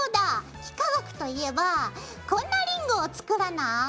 幾何学といえばこんなリングを作らない？